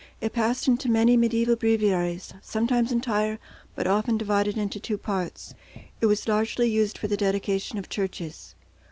It passed into many mediæval Breviaries, sometimes entire, but often divided into two parts. It was largely used for the dedication of churches.